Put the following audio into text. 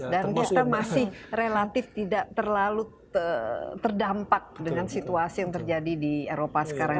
dan kita masih relatif tidak terlalu terdampak dengan situasi yang terjadi di eropa sekarang